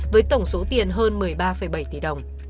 với tổng số tiền hơn một mươi ba bảy tỷ đồng